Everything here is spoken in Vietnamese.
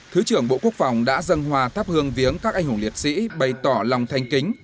thứ trưởng bộ quốc phòng đã dân hòa thắp hương viếng các anh hùng liệt sĩ bày tỏ lòng thanh kính